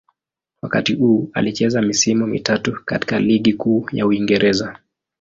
Wakati huu alicheza misimu mitatu katika Ligi Kuu ya Uingereza.